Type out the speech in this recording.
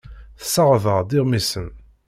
Tessaɣeḍ-aɣ-d iɣmisen.